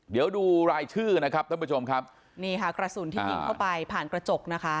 เดี๋ยวดูรายชื่อนะครับท่านผู้ชมครับนี่ค่ะกระสุนที่ยิงเข้าไปผ่านกระจกนะคะ